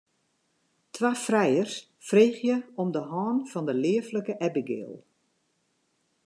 Twa frijers freegje om de hân fan de leaflike Abigail.